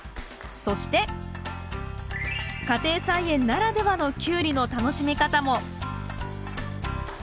そして家庭菜園ならではのキュウリの楽しみ方も。